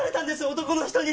男の人に。